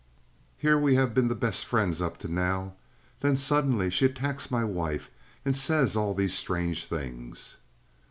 Here we have been the best of friends opp to now. Then suddenly she attacks my wife and sais all these strange things."